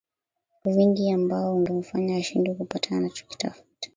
Wingi ambao ungemfanya ashindwe kupata anachokitafuta